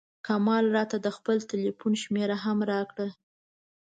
کمال راته د خپل ټیلفون شمېره هم راکړه.